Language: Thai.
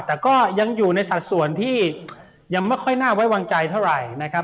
แต่ก็ยังอยู่ในสัดส่วนที่ยังไม่ค่อยน่าไว้วางใจเท่าไหร่นะครับ